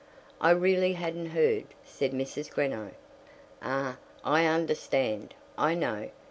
"I really hadn't heard," said Mrs. Greenow. "Ah, I understand. I know.